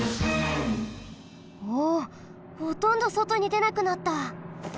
おおほとんどそとにでなくなった！